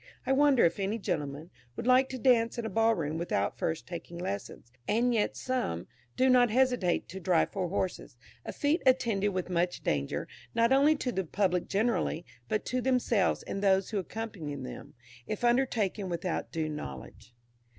I wonder if any gentleman would like to dance in a ball room without first taking lessons; and yet some, do not hesitate to drive four horses a feat attended with much danger, not only to the public generally, but to themselves and those who accompany them, if undertaken without due knowledge.